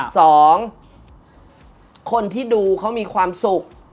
สองคนที่ดูเขามีความสุข